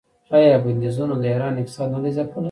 آیا بندیزونو د ایران اقتصاد نه دی ځپلی؟